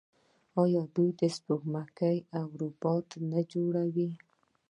آیا دوی سپوږمکۍ او روباټونه نه جوړوي؟